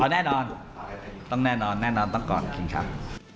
อ๋อแน่นอนต้องแน่นอนต้องกรครับ